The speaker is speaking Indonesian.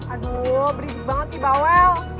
aduh beridik banget sih bawel